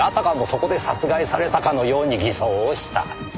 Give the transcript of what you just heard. そこで殺害されたかのように偽装をした。